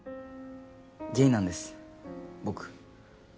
ゲイなんです僕。